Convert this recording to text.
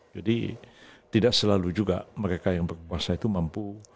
jadi tidak selalu juga mereka yang berkuasa itu mampu